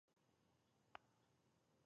د پوستکي د روغتیا لپاره باید څه وکړم؟